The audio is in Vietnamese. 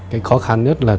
cái khó khăn nhất là